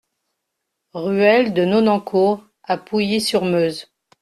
Ruelle de Nonancourt à Pouilly-sur-Meuse